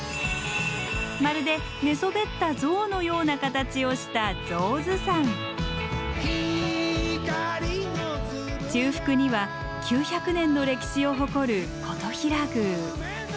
まるで寝そべった象のような形をした中腹には９００年の歴史を誇る金刀比羅宮。